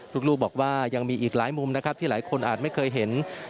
และก็มีการกินยาละลายริ่มเลือดแล้วก็ยาละลายขายมันมาเลยตลอดครับ